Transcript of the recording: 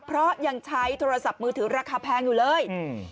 เพราะยังใช้โทรศัพท์มือถือราคาแพงอยู่เลย